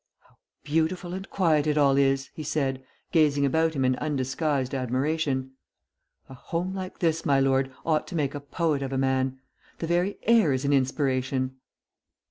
"How beautiful and quiet it all is," he said, gazing about him in undisguised admiration. "A home like this, my lord, ought to make a poet of a man. The very air is an inspiration."